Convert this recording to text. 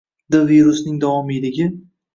d - virusning davomiyligi